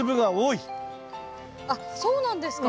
あっそうなんですか？